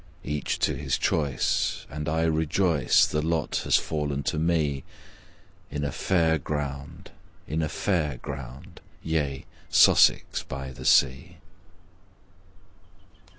Each to his choice, and I rejoice The lot has fallen to me In a fair ground in a fair ground Yea, Sussex by the sea!